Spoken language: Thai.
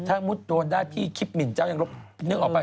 ถ้าโดนได้ที่คิบหมิ่นเจ้ายังนึกออกไป